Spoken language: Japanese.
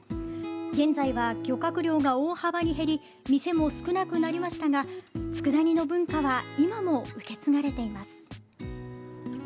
現在は漁獲量が大幅に減り店も少なくなりましたがつくだ煮の文化は今も受け継がれています。